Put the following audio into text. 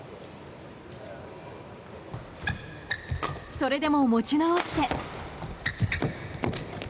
それでも持ち直して。